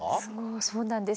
そうなんです。